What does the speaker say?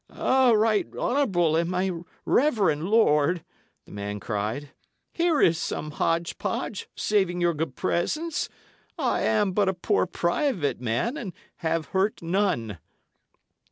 "Right honourable and my reverend lord," the man cried, "here is some hodge podge, saving your good presence. I am but a poor private man, and have hurt none."